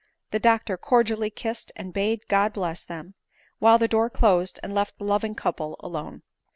The doctor cordially kissed, and bade God bless them ; while the door closed and left the loving couple alone.